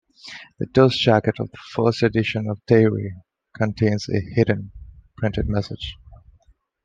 The dust jacket of the first edition of "Diary" contains a hidden printed message.